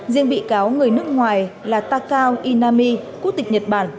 riêng bị cáo người nước ngoài là taka inami quốc tịch nhật bản